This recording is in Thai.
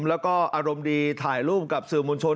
แล้วก็อารมณ์ดีถ่ายรูปกับสื่อมวลชน